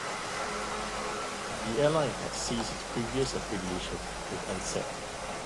The airline had ceased its previous affiliation with Ansett.